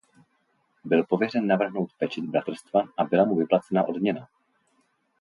Byl pověřen navrhnout pečeť bratrstva a byla mu vyplacena odměna.